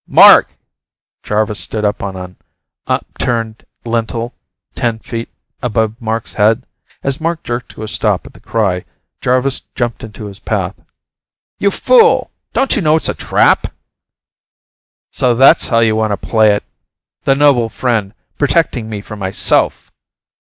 "Mark!" Jarvis stood on an upturned lintel, ten feet above Mark's head. As Mark jerked to a stop at the cry, Jarvis jumped into his path. "You fool! Don't you know it's a trap?" "So that's how you want to play it? The noble friend, protecting me from myself!"